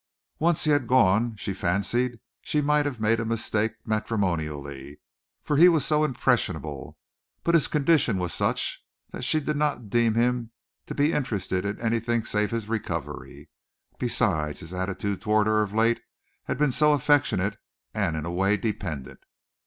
Once he had gone she fancied she might have made a mistake matrimonially, for he was so impressionable but his condition was such that she did not deem him to be interested in anything save his recovery. Besides, his attitude toward her of late had been so affectionate and in a way dependent.